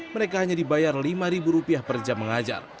mereka hanya dibayar lima rupiah per jam mengajar